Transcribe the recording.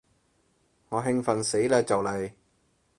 我興奮死嘞就嚟